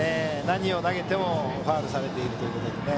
何を投げてもファウルされているということでね。